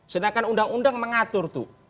sedangkan undang undang mengatur tuh